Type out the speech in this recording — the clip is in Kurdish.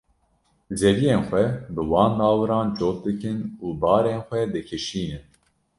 Zeviyên xwe bi wan lawiran cot dikin û barên xwe dikişînin.